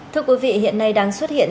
thưa quý vị hiện nay đang xuất hiện